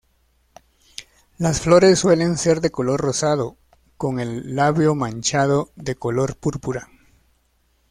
Las flores suelen ser de color rosado, con el labio manchado de color púrpura.